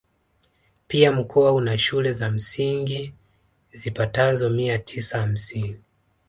Pia mkoa una shule za msingi zipatazo mia tisa hamsini